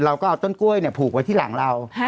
เราก็เอาต้นกล้วยผูกไว้ที่หลังเรา